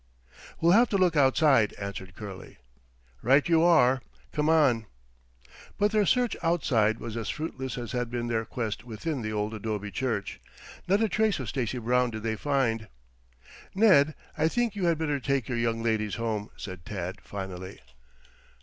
"We'll have to look outside," answered Curley. "Right you are. Come on." But their search outside was as fruitless as had been their quest within the old adobe church. Not a trace of Stacy Brown did they find. "Ned, I think you had better take the young ladies home," said Tad finally.